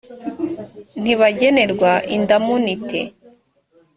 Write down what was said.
ntibagenerwa indamunite